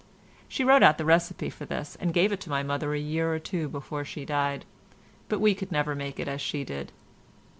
She wrote out the recipe for this and gave it to my mother a year or two before she died, but we could never make it as she did.